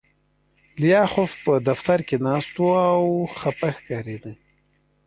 لیاخوف په دفتر کې ناست و او خپه ښکارېده